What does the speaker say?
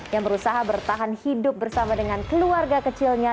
yang berusaha bertahan hidup bersama dengan keluarga kecilnya